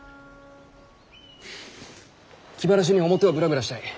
気晴らしに表をぶらぶらしたい。